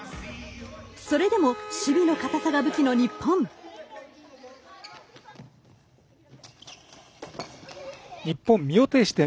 それでも守備の堅さが武器の日本。